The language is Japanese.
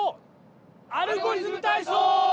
「アルゴリズムたいそう」！